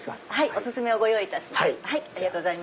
お薦めをご用意いたします。